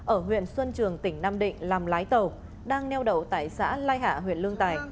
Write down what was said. ở huyện xuân trường tỉnh nam định làm lái tàu đang neo đậu tại xã lai hạ huyện lương tài